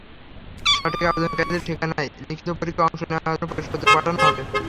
সঠিক আবেদনকারীদের ঠিকানায় লিখিত পরীক্ষায় অংশ নেওয়ার জন্য প্রবেশপত্র পাঠানো হবে।